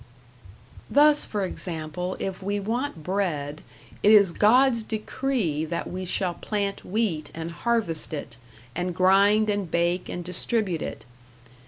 Thus, for example, if we want bread, it is God's decree that we shall plant wheat and harvest it, and grind and bake and distribute it.